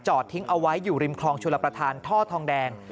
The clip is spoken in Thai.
ทิ้งเอาไว้อยู่ริมคลองชลประธานท่อทองแดง